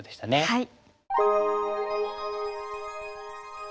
はい。